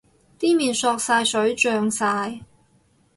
啲麵索晒水脹晒